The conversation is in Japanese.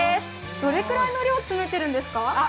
どれくらいの量を詰めているんですか？